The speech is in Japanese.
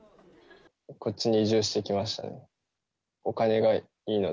こっちに移住してきましたね。